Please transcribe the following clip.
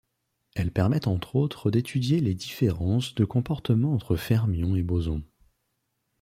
Elle permet entre autres d'étudier les différences de comportement entre fermions et bosons.